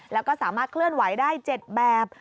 แล้วก็สามารถเคลื่อนไหวได้๗แบบ